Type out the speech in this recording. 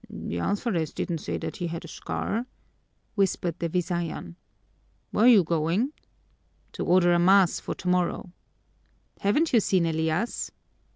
"The alferez didn't say that he had a scar," whispered the Visayan. "Where you going?" "To order a mass for tomorrow." "Haven't you seen Elias?"